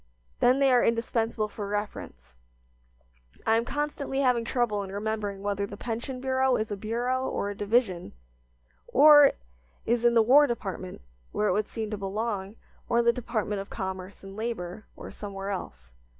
Then they are indispensable for reference. I am constantly having trouble in remembering whether the pension bureau is a bureau or a division, or is in the War Department, where it would seem to belong, or in the Department of Commerce and Labor, or somewhere else.